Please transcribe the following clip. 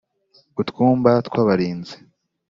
Utwumba tw abarinzi